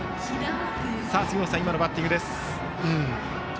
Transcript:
杉本さん、今のバッティングです。